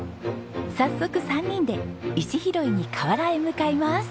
早速３人で石拾いに河原へ向かいます。